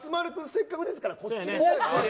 せっかくですから、こっちに。